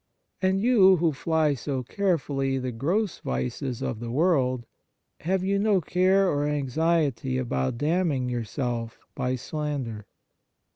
And you, who fly so carefully the gross vices of the world, have you no care or anxiety about damning yourself by slander?"